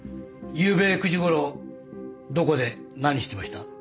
ゆうべ９時頃どこで何してました？